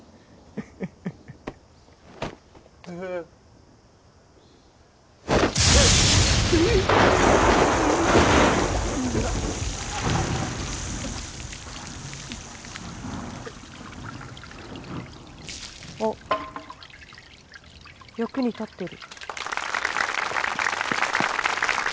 ヒィー！あっ役に立ってる。